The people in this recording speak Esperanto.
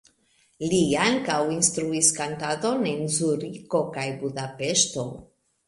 Li ankaŭ instruis kantadon en Zuriko kaj Budapeŝto.